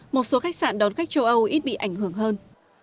một số khách sạn đón khách châu âu ít bị ảnh hưởng hơn